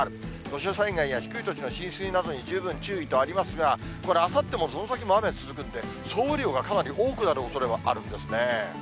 土砂災害や低い土地の浸水などに十分注意とありますが、これ、あさってもその先も雨続くんで、総雨量がかなり多くなるおそれもあるんですね。